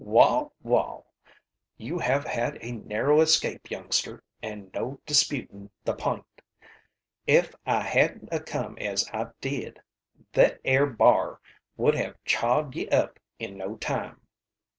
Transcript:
"Wall! wall! You have had a narrow escape, youngster, an' no disputin' the p'int. Ef I hadn't a come as I did, thet air bar would have chawed ye up in no time."